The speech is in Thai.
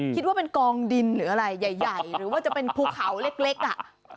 คิดว่าเป็นกองดินหรืออะไรใหญ่หรือว่าจะเป็นภูเขาเล็กอ่ะ